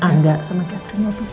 angga sama catherine mau beban